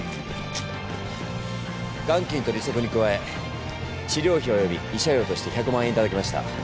元金と利息に加え治療費および慰謝料として１００万円頂きました。